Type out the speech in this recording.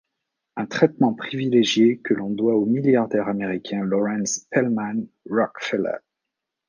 Un traitement privilégié que l'on doit au milliardaire américain Laurance Spelman Rockefeller.